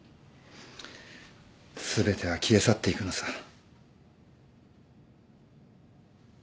全ては消え去っていくのさ。